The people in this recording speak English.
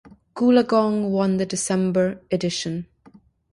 Goolagong won the December edition.